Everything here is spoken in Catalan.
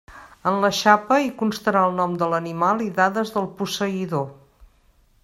En la xapa hi constarà el nom de l'animal i dades del posseïdor.